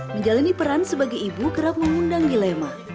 menjalani peran sebagai ibu kerap mengundang dilema